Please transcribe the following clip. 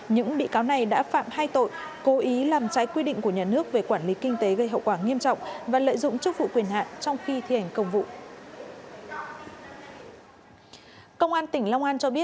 những bị cáo này đã phạm hai tội cố ý làm trái quy định của nhà nước về quản lý kinh tế